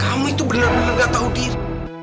kamu itu benar benar gak tahu diri